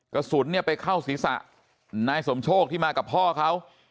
กระสุนเนี่ยไปเข้าศีรษะนายสมโชคที่มากับพ่อเขา